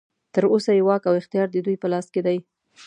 تر اوسه یې واک او اختیار ددوی په لاس کې دی.